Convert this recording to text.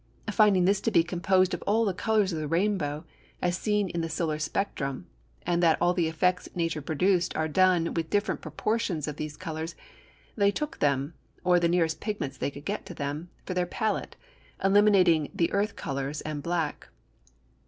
Finding this to be composed of all the colours of the rainbow as seen in the solar spectrum, and that all the effects nature produced are done with different proportions of these colours, they took them, or the nearest pigments they could get to them, for their palette, eliminating the earth colours and black.